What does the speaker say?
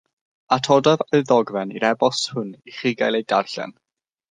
Atodaf y ddogfen i'r e-bost hwn i chi gael ei darllen